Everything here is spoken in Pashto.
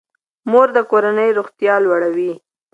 مور د کورنۍ روغتیا لوړوي.